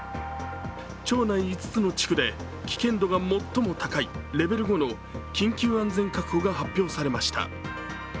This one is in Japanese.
町内５つの地区で、危険度が最も高いレベル５の緊急安全確保が発表されました。